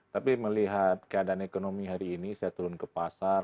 tapi melihat keadaan ekonomi hari ini saya turun ke pasar